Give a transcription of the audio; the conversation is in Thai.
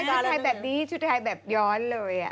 ชุดไทยแบบนี้ชุดไทยแบบย้อนเลย